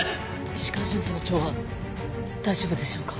石川巡査部長は大丈夫でしょうか？